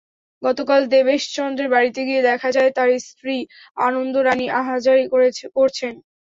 গতকাল দেবেশ চন্দ্রের বাড়িতে গিয়ে দেখা যায়, তাঁর স্ত্রী আনন্দ রানী আহাজারি করছেন।